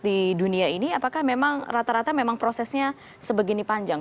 di dunia ini apakah memang rata rata memang prosesnya sebegini panjang